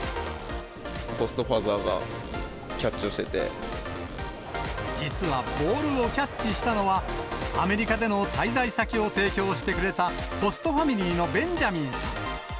ホストファザーがキャッチを実はボールをキャッチしたのは、アメリカでの滞在先を提供してくれた、ホストファミリーのベンジャミンさん。